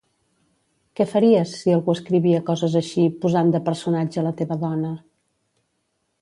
¿Què faries si algú escrivia coses així posant de personatge la teva dona?